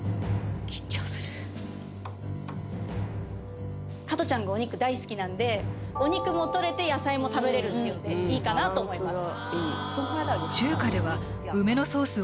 緊張する加トちゃんがお肉大好きなんでお肉もとれて野菜も食べれるっていうのでいいかなと思います